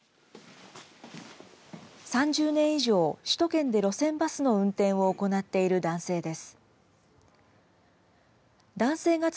３０年以上、首都圏で路線バスの運転を行っている男性です。